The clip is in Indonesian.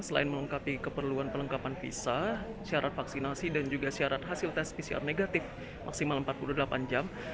selain melengkapi keperluan pelengkapan visa syarat vaksinasi dan juga syarat hasil tes pcr negatif maksimal empat puluh delapan jam